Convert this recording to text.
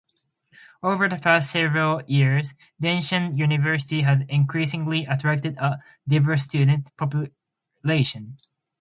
Over the past several years, Denison University has increasingly attracted a diverse student population.